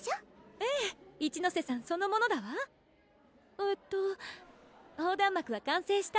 ええ一之瀬さんそのものだわえっと横断幕は完成した？